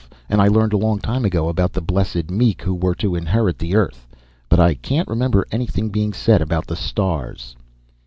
And I learned a long time ago about the blessed meek who were to inherit the Earth but I can't remember anything being said about the stars!"